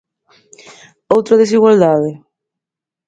¿Outra desigualdade?